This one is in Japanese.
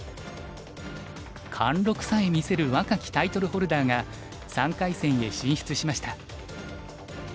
貫禄さえ見せる若きタイトルホルダーが３回戦へ進出しました。